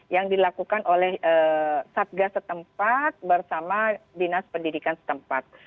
yang dilakukan oleh satgas setempat bersama dinas pendidikan setempat